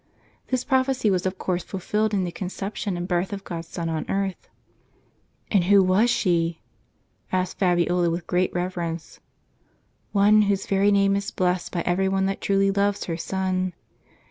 " This prophecy was of course fulfilled in the conception and birth of God's Son on earth." "And who was sAe.^" asked Fabiola, with great rever ence. " One whose very name is blessed by every one that truly loves her Son.